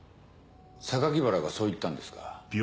原がそう言ったんですか？